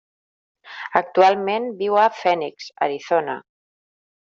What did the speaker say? Actualment viu a Phoenix, Arizona.